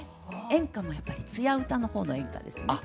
演歌もやっぱり艶歌のほうの演歌ですね。